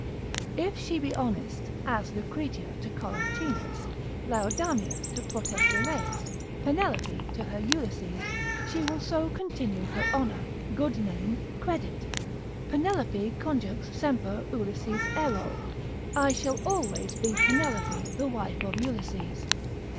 If she be honest as Lucretia to Collatinus, Laodamia to Protesilaus, Penelope to her Ulysses, she will so continue her honour, good name, credit, Penelope conjux semper Ulyssis ero; I shall always be Penelope the wife of Ulysses.